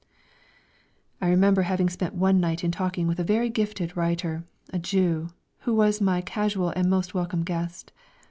I remember having spent one night in talking with a very gifted writer, a Jew, who was my casual and most welcome guest.